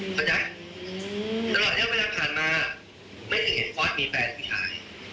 เข้าใจตลอดเรื่องเวลาผ่านมาไม่เคยเห็นฟอสมีแฟนที่ขาย